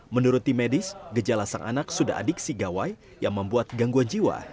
menurut tim medis gejala sang anak sudah adiksi gawai yang membuat gangguan jiwa